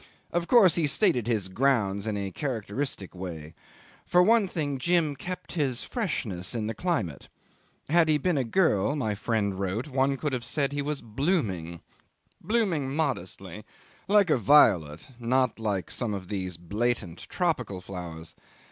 Of course he stated his grounds in a characteristic way. For one thing, Jim kept his freshness in the climate. Had he been a girl my friend wrote one could have said he was blooming blooming modestly like a violet, not like some of these blatant tropical flowers.